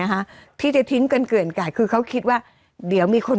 อย่างให้เป็นทุกที่